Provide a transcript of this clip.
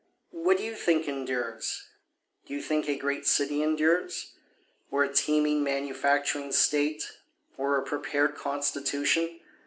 What do you think endures? Do you think a great city endures? Or a teeming manufacturing state? or a prepared constitution?